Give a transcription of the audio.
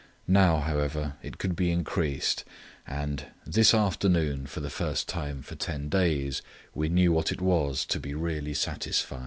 Now, however, it could be increased, and "this afternoon, for the first time for ten days, we knew what it was to be really satisfied."